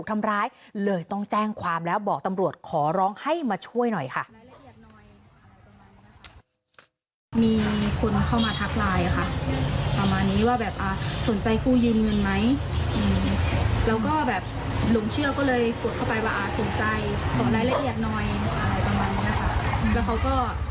ส่งรายละเอียดน้อยประมาณนี้นะคะแล้วเขาก็ส่งรายละเอียดมาก